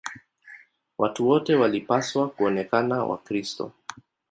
Watu wote walipaswa kuonekana Wakristo.